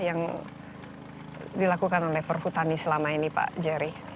yang dilakukan oleh perhutani selama ini pak jerry